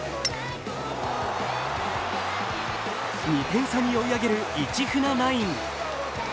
２点差に追い上げる市船ナイン。